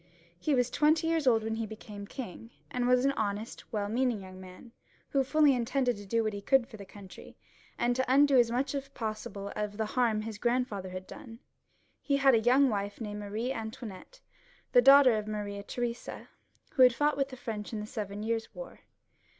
He was twenty years old when he became king, and was an honest, weU meaning young man, who folly intended to do what he could for the country, and to undo as much as possible of the harm his grandfather had done(^ He had a young wife named Marie Antoinette, the daughter of Maria Theresa, who had fought with the French in the Seven Years' War.